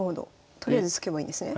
とりあえず突けばいいんですね